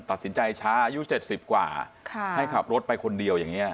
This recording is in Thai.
ตัดสินใจช้าอายุ๗๐กว่าให้ขับรถไปคนเดียวอย่างนี้